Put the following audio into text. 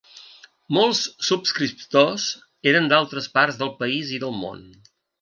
Molts subscriptors eren d'altres parts del país i del món.